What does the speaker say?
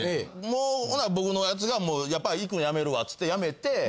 もう僕のやつがやっぱり行くのやめるわつってやめて。